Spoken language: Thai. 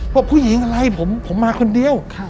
บอกผู้หญิงอะไรผมมาคนเดียว